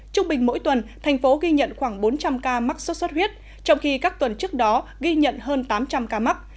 trung bình mỗi tuần thành phố ghi nhận khoảng bốn trăm linh ca mắc sốt xuất huyết trong khi các tuần trước đó ghi nhận hơn tám trăm linh ca mắc